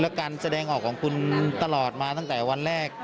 และการแสดงออกของคุณตลอดมาตั้งแต่วันแรก